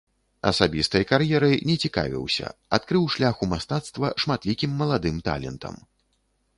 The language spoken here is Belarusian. Асабістай кар'ерай не цікавіўся, адкрыў шлях у мастацтва шматлікім маладым талентам.